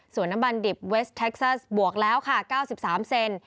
ส่วนน้ำมันดิบเวสแท็กซัสบวกแล้วค่ะ๙๓เซน